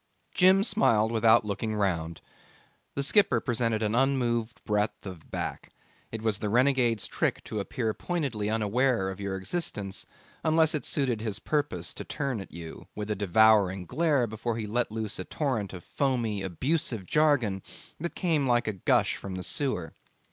Jim smiled without looking round. The skipper presented an unmoved breadth of back: it was the renegade's trick to appear pointedly unaware of your existence unless it suited his purpose to turn at you with a devouring glare before he let loose a torrent of foamy, abusive jargon that came like a gush from a sewer.